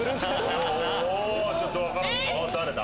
ちょっと分からん誰だ？